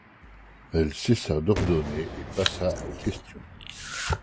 Elle cessa d’ordonner et passa aux questions.